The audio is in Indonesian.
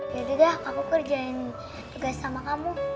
yaudah deh aku kerjain tugas sama kamu